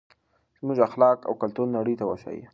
زموږ اخلاق او کلتور نړۍ ته وښایئ.